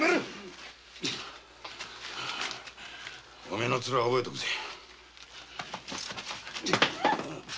お前の面は覚えとくぜ！